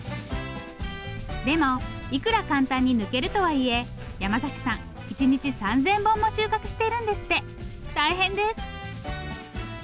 でもいくら簡単に抜けるとはいえ山崎さん１日３，０００本も収穫しているんですって大変です。